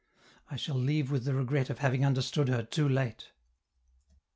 I shall leave with the regret of having understood her too late!